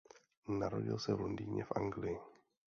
Narodil se v Londýně v Anglii.